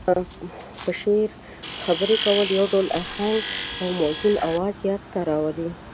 په شعر خبرې کول يو ډول اهنګ او موزون اواز ياد ته راولي.